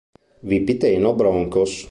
Vipiteno Broncos.